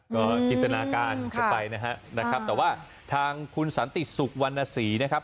ก็จินตนาการกันไปนะครับแต่ว่าทางคุณสันติสุขวรรณศรีนะครับ